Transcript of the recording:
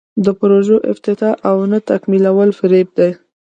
د پروژو افتتاح او نه تکمیلول فریب دی.